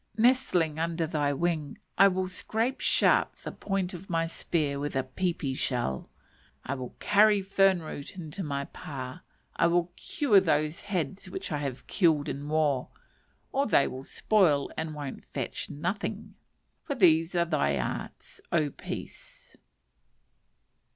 Nestling under thy wing, I will scrape sharp the point of my spear with a pipi shell; I will carry fern root into my pa; I will cure those heads which I have killed in war, or they will spoil and "won't fetch nothin'": for these are thy arts, O peace!